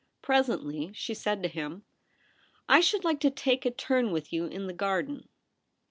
Presently she said to him :' I should like to take a turn with you in the garden.'